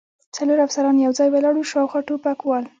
څلور افسران یو ځای ولاړ و، شاوخوا ټوپکوال.